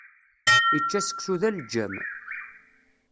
Ičča seksu d aleǧǧam.